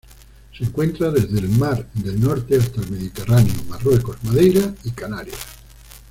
Se encuentra desde el mar del Norte hasta el Mediterráneo Marruecos, Madeira y Canarias.